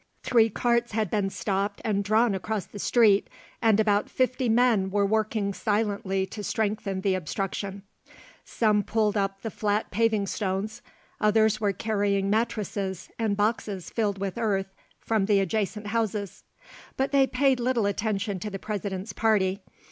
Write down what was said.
Three carts had been stopped and drawn across the street, and about fifty men were working silently to strengthen the obstruction: some pulled up the flat paving stones; others were carrying mattresses and boxes filled with earth from the adjacent houses; but they paid little attention to the President's party.